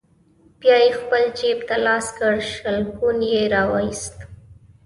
بيا يې خپل جيب ته لاس کړ، شلګون يې راوايست: